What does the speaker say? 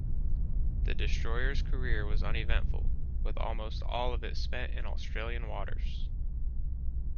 The destroyer's career was uneventful, with almost all of it spent in Australian waters.